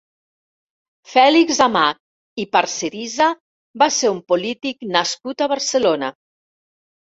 Fèlix Amat i Parcerisa va ser un polític nascut a Barcelona.